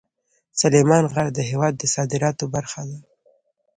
سلیمان غر د هېواد د صادراتو برخه ده.